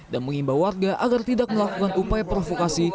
dan mengimbau warga agar tidak melakukan upaya provokasi